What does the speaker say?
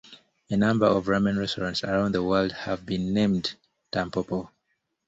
A number of ramen restaurants around the world have been named Tampopo.